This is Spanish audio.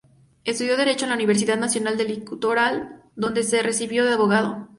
Estudió derecho en la Universidad Nacional del Litoral, donde se recibió de abogado.